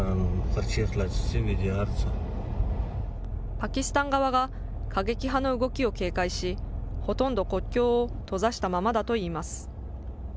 パキスタン側が、過激派の動きを警戒し、ほとんど国境を閉ざしたままだといいます。